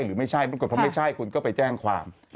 หรือไม่ใช่ถ้าไม่ใช่คุณก็ไปแจ้งความ